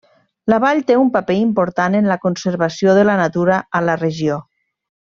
La vall té un paper important en la conservació de la natura a la regió.